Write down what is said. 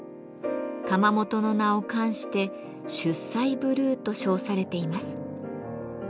窯元の名を冠して「出西ブルー」と称されています。